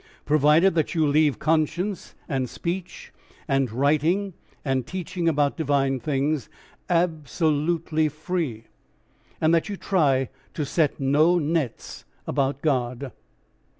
Provided that you leave conscience and speech and writing and teaching about divine things absolutely free, and that you try to set no nets about God.